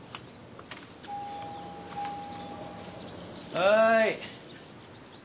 はい。